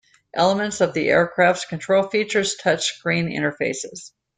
Elements of the aircraft's controls feature touchscreen interfaces.